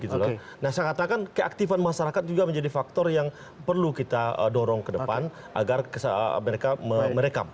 saya katakan keaktifan masyarakat juga menjadi faktor yang perlu kita dorong ke depan agar mereka merekam